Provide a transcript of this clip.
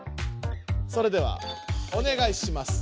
それではおねがいします。